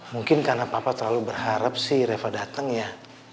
mungkin karena papa terlalu berharap sih reva datang ya